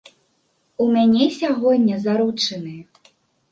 У мяне сягоння заручыны.